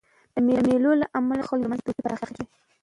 د مېلو له امله د خلکو ترمنځ دوستي پراخېږي.